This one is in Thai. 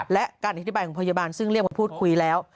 และการอธิบายของพยาบาลซึ่งเรียกมาพูดคุยแล้ว